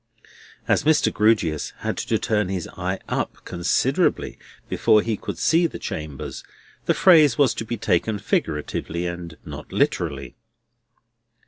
As Mr. Grewgious had to turn his eye up considerably before he could see the chambers, the phrase was to be taken figuratively and not literally.